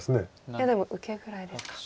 いやでも受けぐらいですか。